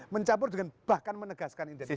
mencampur dengan bahkan menegaskan identitas